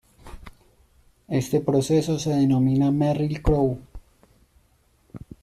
Este proceso se denomina Merril Crowe.